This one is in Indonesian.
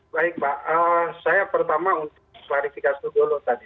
baik pak saya pertama untuk klarifikasi dulu tadi